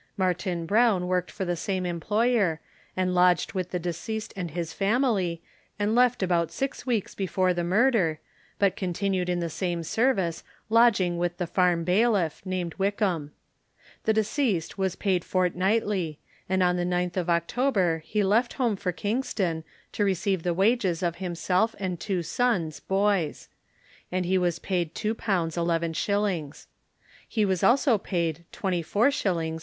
Martin Brown worked for the same employer, and lodged with the deceased and his family, and left about six weeks before the murder, but continued in the same service, lodging with the farm bailiff, named Wickham. The deceased was paid fortnightly, and on the 9th of October he left home for Kingston, to receive the wages of himself and two sons, boys; and he was paid £2 11s. He was also paid 24s.